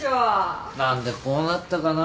何でこうなったかな？